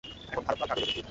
এখন ভারত লাল কাগজেও জীবিত।